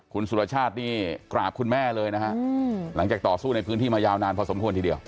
คุณสุรชาตินี่กราบคุณแม่เลยนะฮะหลังจากต่อสู้ในพื้นที่มายาวนานพอสมควรทีเดียว